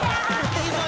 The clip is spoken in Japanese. いいぞ！